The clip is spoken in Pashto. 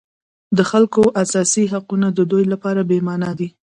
د خلکو اساسي حقونه د دوی لپاره بېمعنا دي.